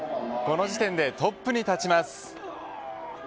この時点でトップに立ちます。